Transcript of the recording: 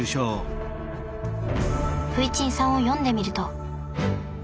「フイチンさん」を読んでみると。